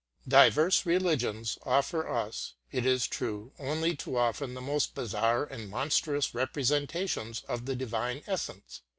Diverse religions offer us, it is true, only too often [pg 140]the most bizarre and monstrous representations of thedivine essence.